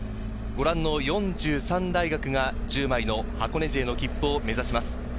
ご覧の４３大学が１０枚の箱根路への切符を目指します。